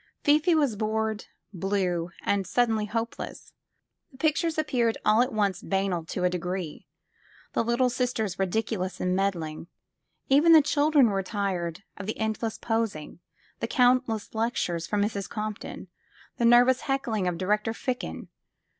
Fifi was bored, blue and suddenly hopeless. The pictures appeared all at once banal to a degree ; the Little Sisters ridiculous and meddling. Even the chil dren were tired of the endless posing, the countless lec tures from Mrs. Compton, the nervous heckling of Di rector Ficken.